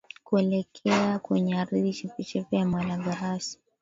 kuelekea kwenye ardhi chepechepe ya Malagarasi